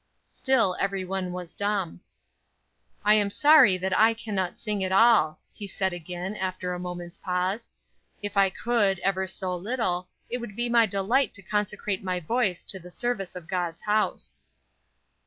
Still everyone was dumb. "I am sorry that I cannot sing at all," he said again, after a moment's pause. "If I could, ever so little, it would be my delight to consecrate my voice to the service of God's house."